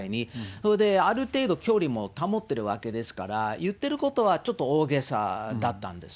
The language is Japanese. それである程度、距離も保ってるわけですから、言ってることは、ちょっと大げさだったんです。